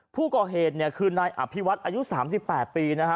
ผู้ก่อเหตุเนี่ยคือนายอภิวัตรอายุสามสิบแปดปีนะฮะ